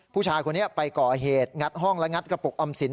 ผู้ชายคนนี้ไปก่อเหตุงัดห้องและงัดกระปุกออมสิน